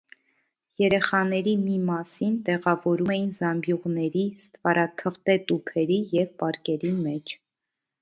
Երեխաների մի մասին տեղավորում էին զամբյուղների, ստվարաթղթե տուփերի և պարկերի մեջ։